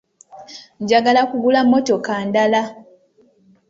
Enjala kugula mmotoka ndala.